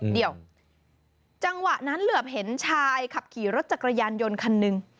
เดี๋ยวจังหวะนั้นเหลือบเห็นชายขับขี่รถจักรยานยนต์คันหนึ่ง